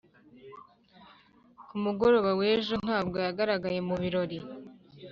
ku mugoroba w'ejo, ntabwo yagaragaye mu birori.